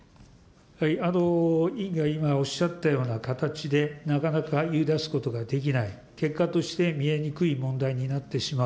委員が今おっしゃったような形で、なかなか言い出すことができない、結果として見えにくい問題になってしまう。